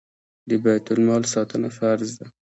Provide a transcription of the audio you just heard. د بیت المال ساتنه فرض ده